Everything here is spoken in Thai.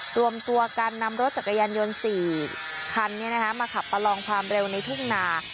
รวมตัวกันนำรถจักรยานยนต์๔คันมาขับประลองความเร็วในทุ่งนา